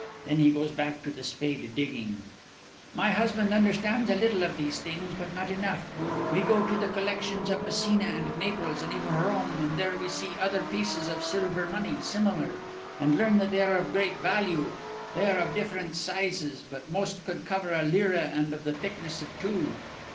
Then he goes back to the spade digging. "My husband understands a little of these things but not enough. We go to the collections of Messina and Naples and even Rome and there we see other pieces of silver money, similar, and learn that they are of great value. They are of different sizes but most would cover a lira and of the thickness of two.